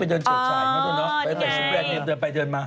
ไปเดินเจนชายนะดูนะไปชมแบบนี้เดินมาอ๋อใช่